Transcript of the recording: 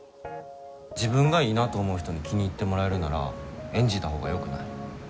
自分がいいなと思う人に気に入ってもらえるなら演じたほうがよくない？